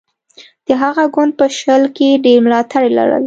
د هغه ګوند په شل کې ډېر ملاتړي لرل.